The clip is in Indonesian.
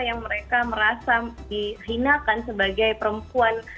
yang mereka merasa dihinakan sebagai perempuan